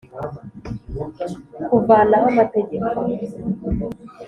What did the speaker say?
kuvanaho Amategeko